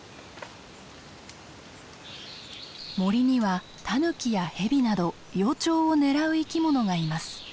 森にはタヌキやヘビなど幼鳥を狙う生き物がいます。